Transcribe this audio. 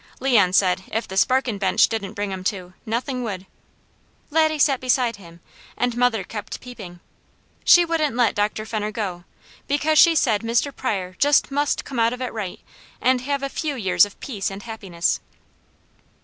Leon said if the sparkin' bench didn't bring him to, nothing would. Laddie sat beside him and mother kept peeping. She wouldn't let Dr. Fenner go, because she said Mr. Pryor just must come out of it right, and have a few years of peace and happiness.